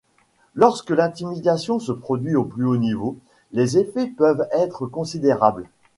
Lorsque l'intimidation se produit au plus haut niveau, les effets peuvent être considérables.